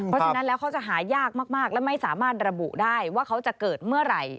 เพราะฉะนั้นแล้วเขาจะหายากมากและไม่สามารถระบุได้ว่าเขาจะเกิดเมื่อไหร่